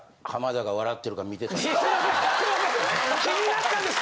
気になったんです！